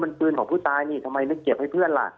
เป็นปืนของผู้ตายนี่ทำไมนึกเก็บให้เพื่อนล่ะ